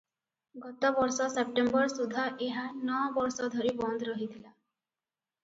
ଗତ ବର୍ଷ ସେପ୍ଟେମ୍ବର ସୁଦ୍ଧା ଏହା ନଅ ବର୍ଷ ଧରି ବନ୍ଦ ରହିଥିଲା ।